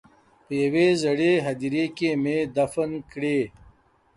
په یوې زړې هدیرې کې مې دفن کړې.